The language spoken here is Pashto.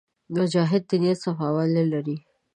مجاهد د نیت صفاوالی لري.